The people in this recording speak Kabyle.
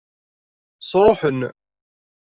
Sṛuḥen.